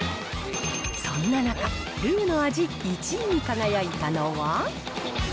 そんな中、ルーの味１位に輝いたのは。